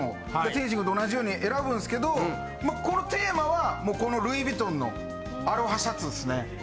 天心くんと同じように選ぶんっすけどこのテーマはこのルイ・ヴィトンのアロハシャツっすね。